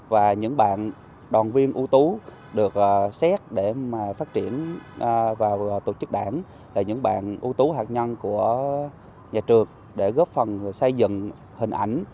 và những bạn đoàn viên ưu tú được xét để phát triển vào tổ chức đảng là những bạn ưu tú hạt nhân của nhà trường để góp phần xây dựng hình ảnh